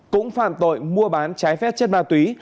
cũng phạm tội mua bán trái phép chất ma túy